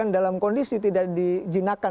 dalam kondisi tidak dijinakan